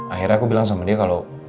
akhirnya aku bilang sama dia kalau